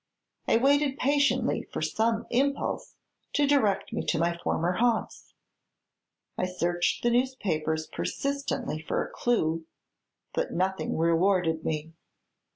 I waited patiently for some impulse to direct me to my former haunts. I searched the newspapers persistently for a clue; but nothing rewarded me.